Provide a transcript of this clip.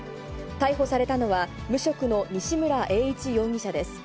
逮捕されたのは、無職の西村英一容疑者です。